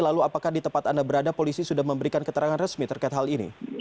lalu apakah di tempat anda berada polisi sudah memberikan keterangan resmi terkait hal ini